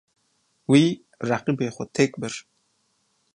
Wî, reqîbê xwe têk bir.